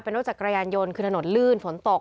รถจักรยานยนต์คือถนนลื่นฝนตก